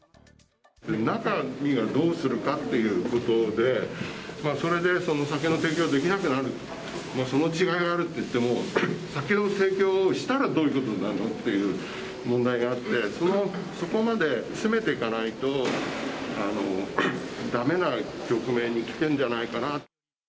中身はどうするかということで、それで酒の提供ができなくなる、その違いはあるっていっても、酒の提供をしたらどういうことになるのっていう問題があって、そこまで詰めていかないとだめな局面に来てるんじゃないかな。